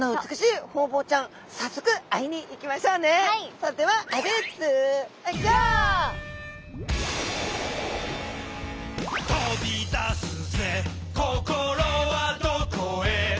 それでは「飛び出すぜ心はどこへ」